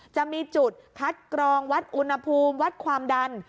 จะมีจุดคัดกรองวัดอุณหภูมิวัดความดัน